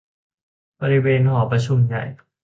บริเวณหอประชุมใหญ่